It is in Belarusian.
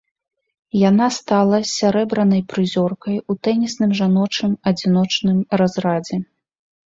Яна стала сярэбранай прызёркай у тэнісным жаночым адзіночным разрадзе.